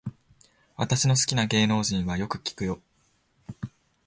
私の好きな芸能人はよく聞くよ